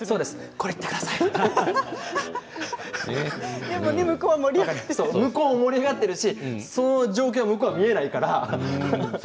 これをやってくださいでも向こうは盛り上がっているしその状況は向こうは見えないから。